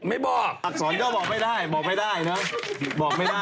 อักษรเจ้าบอกไม่ได้บอกไม่ได้เนอะ